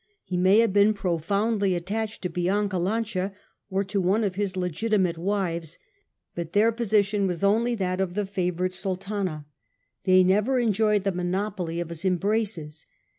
He may have been profoundly attached to Bianca Lancia, or to one of his legitimate wives, but their position was only STUPOR MUNDI 289 that of the favoured Sultana : they never enjoyed the monopoly of his embraces.